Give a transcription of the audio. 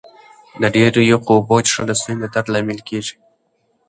د ډېرو یخو اوبو څښل د ستوني د درد لامل کېږي.